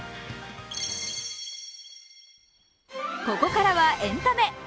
ここからはエンタメ。